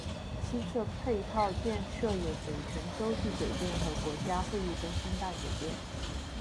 西侧配套建设有北辰洲际酒店和国家会议中心大酒店。